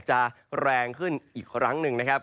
จะแรงขึ้นอีกครั้งหนึ่งนะครับ